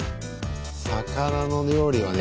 魚の料理はね